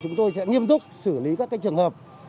chúng tôi sẽ nghiêm túc xử lý các trường hợp